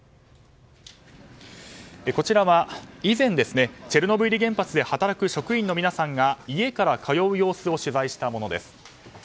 こちらは以前チェルノブイリ原発で働く職員の皆さんが家から通う様子を取材したもの。